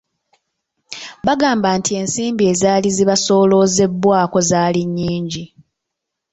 Bagamba nti ensimbi ezaali zibasoloozebwako zaali nnyingi.